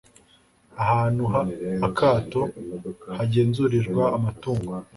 ahantu h akato hagenzurirwa amatungo